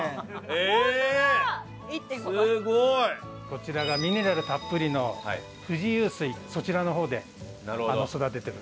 こちらがミネラルたっぷりの富士湧水そちらの方で育ててる。